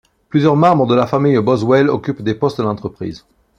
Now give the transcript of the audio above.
Plusieurs membres de la famille Boswell occupent des postes dans l'entreprise.